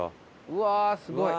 うわーすごい。